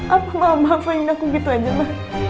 apa mama ingin aku gitu aja ma